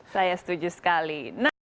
saya setuju sekali